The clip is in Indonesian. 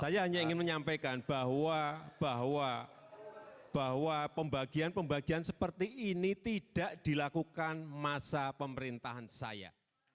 saya hanya ingin menyampaikan bahwa pembagian pembagian seperti ini tidak dilakukan masa pemerintahan saya